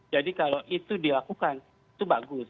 jadi kalau itu dilakukan itu bagus